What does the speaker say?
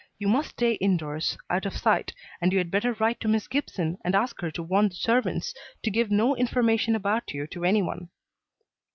You must stay indoors, out of sight, and you had better write to Miss Gibson and ask her to warn the servants to give no information about you to anyone."